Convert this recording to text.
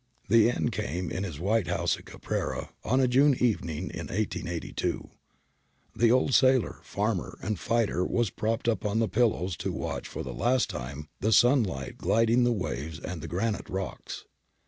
The end came in his white house at Caprera, on a June evening in 1882. The old sailor, farmer, and fighter was propped up on the pillows to watch for the last time the sunlight gilding the waves and the granite rocks.